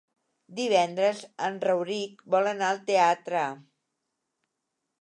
Divendres en Rauric vol anar al teatre.